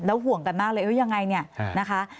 แล้วห่วงกันมากเลยว่ายังไงเนี่ยนะคะ